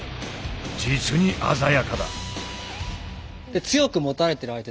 実に鮮やかだ。